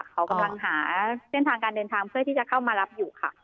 เขากำลังหาเส้นทางการเดินทางเพื่อที่จะเข้ามารับอยู่ค่ะ